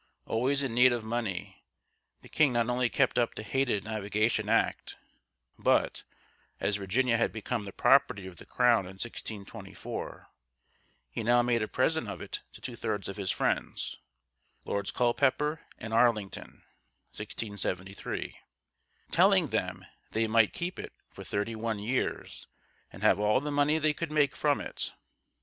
Always in need of money, the king not only kept up the hated Navigation Act, but, as Virginia had become the property of the crown in 1624, he now made a present of it to two of his friends, Lords Cul´pep per and Ar´lington (1673), telling them they might keep it for thirty one years, and have all the money they could make from it.